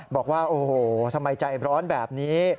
บอกว่าโอ้โหทำไมใจร้อนแบบนี้